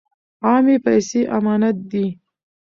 عامې پیسې امانت دي.